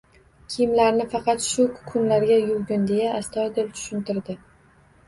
Kiyimlarini esa faqat shu kukunlarga yuvgin,-deya astoydil tushuntirdi